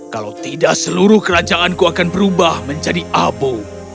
kalau tidak seluruh kerancanganku akan berubah menjadi abu